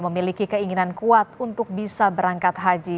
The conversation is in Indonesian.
memiliki keinginan kuat untuk bisa berangkat haji